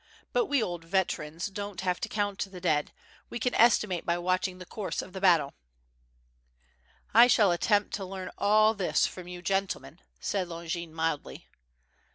But we old veterans don't have to count the dead, we can estimate by watching the course of the battle." "I shall attempt to leam all this from you gentlemen," eaid Longin mildly. 719 720 WITH FIRE AND SWORD.